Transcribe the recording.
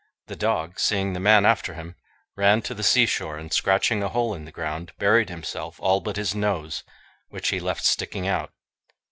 The dog, seeing the man after him, ran to the sea shore, and scratching a hole in the ground, buried himself all but his nose, which he left sticking out.